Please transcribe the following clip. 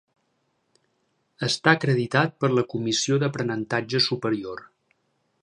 Està acreditat per la Comissió d'Aprenentatge Superior.